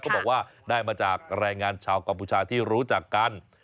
บอกว่าได้มาจากแรงงานชาวกัมพูชาที่รู้จักกัน